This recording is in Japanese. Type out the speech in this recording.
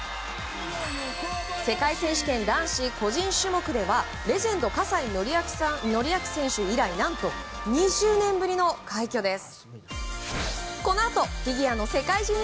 世界選手権男子個人種目ではレジェンド、葛西紀明選手以来何と２０年ぶりの快挙です。